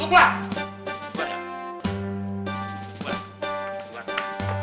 hei lo jangan kemana